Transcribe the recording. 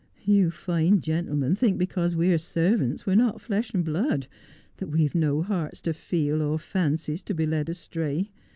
You fine gentlemen think that because we are servants we are not flesh and blood, that we have no hearts to feel, or fancies to be led astray.